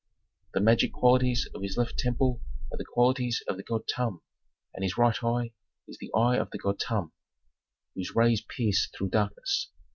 "The magic qualities of his left temple are the qualities of the god Tum and his right eye is the eye of the god Tum, whose rays pierce through darkness.